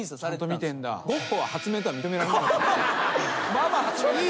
まあまあ発明だと。